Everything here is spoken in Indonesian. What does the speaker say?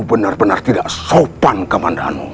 kamu benar benar tidak sopan kaman danu